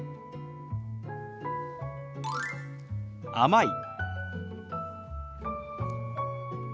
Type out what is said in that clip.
「甘い」。